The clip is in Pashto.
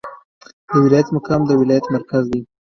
د ولایت مقام د ولایت مرکز دی